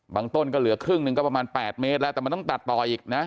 ต้นก็เหลือครึ่งหนึ่งก็ประมาณ๘เมตรแล้วแต่มันต้องตัดต่ออีกนะ